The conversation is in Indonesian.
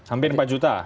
hampir empat juta